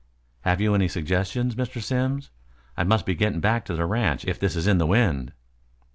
"Have you any suggestions, Mr. Simms? I must be getting back to the ranch if this is in the wind?"